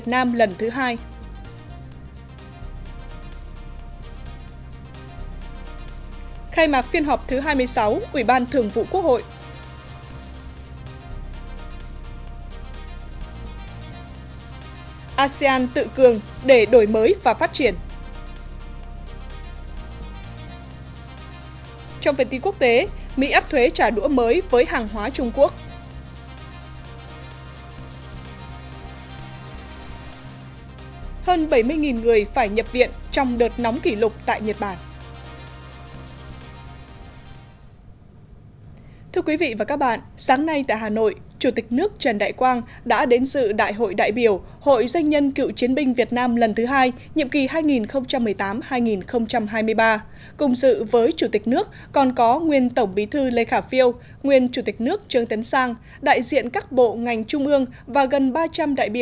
cùng sự với chủ tịch nước còn có nguyên tổng bí thư lê khả phiêu nguyên chủ tịch nước trương tấn sang đại diện các bộ ngành trung ương và gần ba trăm linh đại biểu là các doanh nghiệp cựu chiến binh tiêu biểu trên cả nước